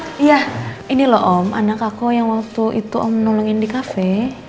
oh iya ini loh om anak aku yang waktu itu om nolongin di kafe